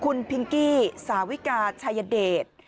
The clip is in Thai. คุณพิงกี้สาวิกาชายเดช